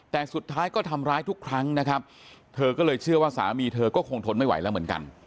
แต่สุดท้ายก็ทำร้ายทุกครั้งนะครับเธอก็เลยเชื่อว่าสามีเธอก็คงทนไม่ไหวแล้วเหมือนกัน